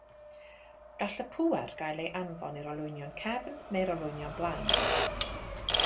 Gall y pŵer gael ei anfon i'r olwynion cefn neu'r olwynion blaen.